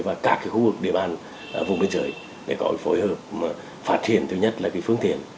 và các khu vực địa bàn vùng biên giới để có phối hợp phát hiện thứ nhất là phương tiện